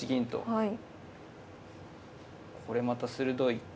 はい。